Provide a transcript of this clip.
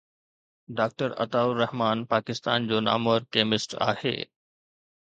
Doctor Ataur Rahman Pakistan جو نامور chemist آهي.